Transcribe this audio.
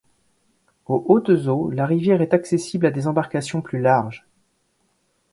Aux hautes eaux, la rivière est accessible à des embarcations plus larges.